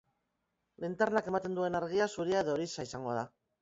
Linternak ematen duen argia zuria edo horixka izango da.